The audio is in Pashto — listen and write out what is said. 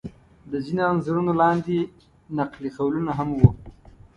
د ځینو انځورونو لاندې نقل قولونه هم و.